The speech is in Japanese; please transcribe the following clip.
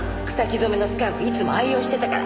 染めのスカーフいつも愛用してたから。